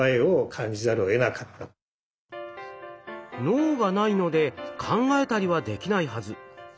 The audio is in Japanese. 脳がないので考えたりはできないはず。